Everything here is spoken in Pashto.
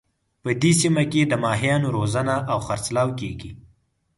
په دې سیمه کې د ماهیانو روزنه او خرڅلاو کیږي